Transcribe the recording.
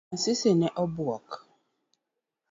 Asisi ne obuoge.